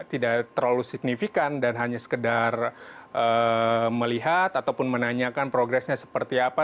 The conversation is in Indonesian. tidak terlalu signifikan dan hanya sekedar melihat ataupun menanyakan progresnya seperti apa